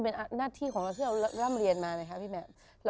ของเราที่เริ่มเรียนมานะครับพี่แม่